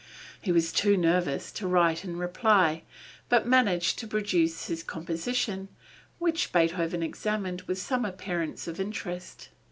He was too nervous to write in reply, but managed to produce his composition, which Beethoven examined with some appearance of interest.